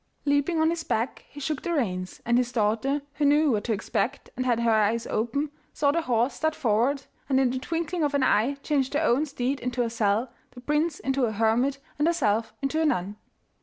Leaping on his back he shook the reins, and his daughter, who knew what to expect and had her eyes open, saw the horse start forward, and in the twinkling of an eye changed her own steed into a cell, the prince into a hermit, and herself into a nun.